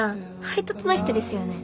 配達の人ですよね？